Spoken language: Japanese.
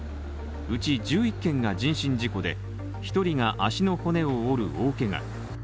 うち１１件が人身事故で１人が足の骨を折る大けが。